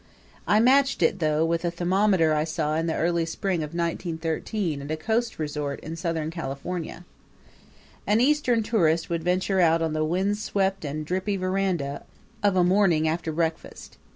I matched it, though, with a thermometer I saw in the early spring of 1913 at a coast resort in southern California. An Eastern tourist would venture out on the windswept and drippy veranda, of a morning after breakfast.